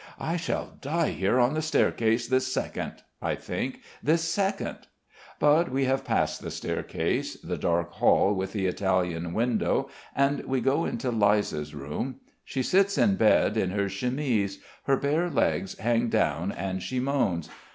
"I shall die here on the staircase, this second," I think, "this second." But we have passed the staircase, the dark hall with the Italian window and we go into Liza's room. She sits in bed in her chemise; her bare legs hang down and she moans.